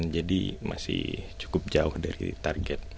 jadi masih cukup jauh dari target